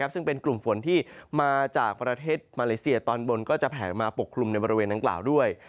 ซึ่งเป็นกลุ่มฝนที่มาจากประเทศมาเลเซียตอนบนก็จะแผลมาปกคลุมในบริเวณดังกล่าวด้วย